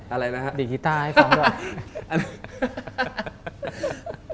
อะไรนะครับ